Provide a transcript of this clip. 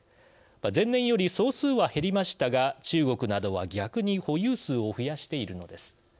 前年より総数は減りましたが中国などは逆に保有数を増やしているのです。